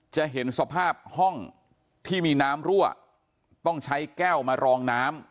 จะเห็นสภาพห้องที่มีน้ำรั่วต้องใช้แก้วมารองน้ำ